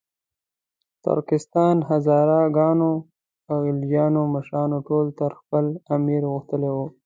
د ترکستان، هزاره ګانو او غلجیو مشران ټول تر خپل امیر غښتلي وو.